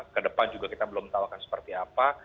kedepan juga kita belum tahu akan seperti apa